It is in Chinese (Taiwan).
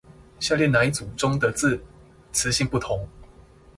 下列那一組中的字詞性不同？